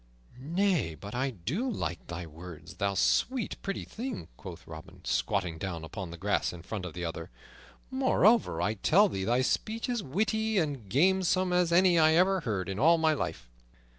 "Nay, but I do like thy words, thou sweet, pretty thing," quoth Robin, squatting down upon the grass in front of the other. "Moreover, I tell thee thy speech is witty and gamesome as any I ever heard in all my life."